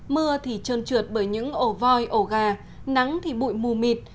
mưa thì trơn trượt bởi những ổ voi ổ gà nắng thì bụi mù mịt